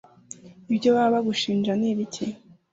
Ibyo baba bagushinja ni ibiki